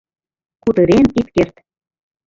Кутырен ит керт!